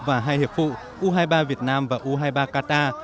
và hai hiệp phụ u hai mươi ba việt nam và u hai mươi ba qatar